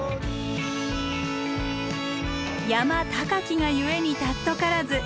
山高きが故に貴からず。